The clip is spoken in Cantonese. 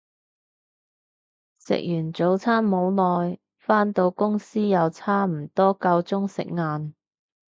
食完早餐冇耐，返到公司又差唔多夠鐘食晏